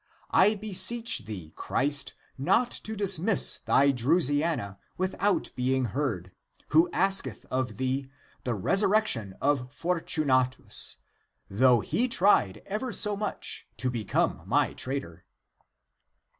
I beseech thee, Christ, not to dismiss thy Drusiana without being heard, who asketh of thee the resurrection of Fortunatus, though he tried ever so much to become my traitor."